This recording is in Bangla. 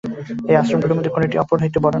এই আশ্রমগুলির মধ্যে কোনটিই অপরটি হইতে বড় নয়।